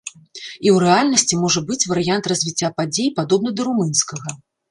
І ў рэальнасці можа быць варыянт развіцця падзей, падобны да румынскага.